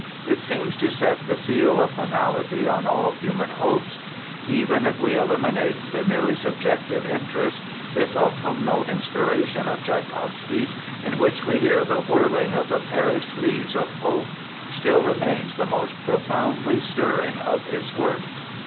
It seems to set the seal of finality on all human hopes. Even if we eliminate the merely subjective interest, this autumnal inspiration of Tschaikowsky's, in which we hear the whirling of the perished leaves of hope, still remains the most profoundly stirring of his works."